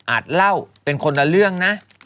เล่าเป็นคนละเรื่องนะ